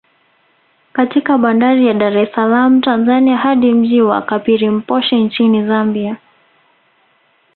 Katika bandari ya Dar es salaam Tanzania hadi mji wa Kapirimposhi Nchini Zambia